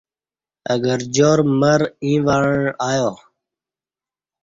اہ گرجار مر ییں وعݩع ایا